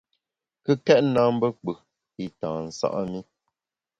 Kùkèt na mbe kpù i tâ nsa’ mi.